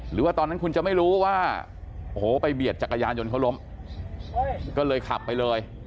หรือว่าตอนนั้นคุณจะไม่รู้ว่าโอ้โหไปเบียดจักรยานยนต์เขาล้มก็เลยขับไปเลย